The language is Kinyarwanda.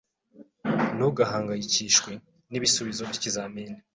Ntugahangayikishwe n'ibisubizo by'ikizamini.